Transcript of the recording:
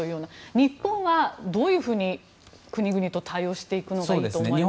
日本はどういうふうに国々と対応していくのがいいと思いますか？